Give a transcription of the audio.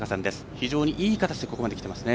非常にいい形でここまできていますね。